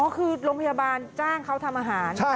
คือโรงพยาบาลจ้างเขาทำอาหาร